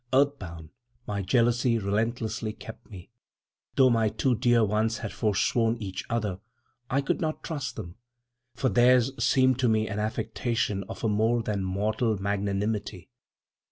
"Earth bound" my jealousy relentlessly kept me. Though my two dear ones had forsworn each other, I could not trust them, for theirs seemed to me an affectation of a more than mortal magnanimity.